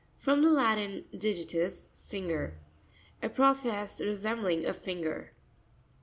—From the Latin, digi ius, finger. A process resembling a finger.